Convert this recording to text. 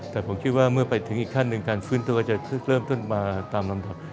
แต่ผมคิดว่าเมื่อไปถึงอีกขั้นหนึ่งการฟื้นตัวจะเริ่มต้นมาตามลำดับ